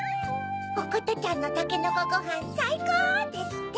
「おことちゃんのたけのこごはんさいこう！」ですって。